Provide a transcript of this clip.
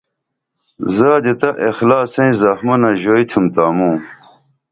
زادی تہ اخلاصیں زخمونہ ژوئی تُھم تا موں